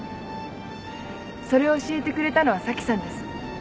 それを教えてくれたのは咲さんです。